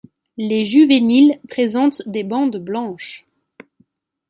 Les juvéniles présentent des bandes blanches.